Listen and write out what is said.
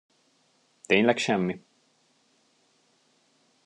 Tényleg semmi?